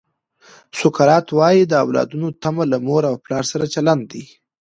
سقراط وایي د اولادونو تمه له مور او پلار سره چلند دی.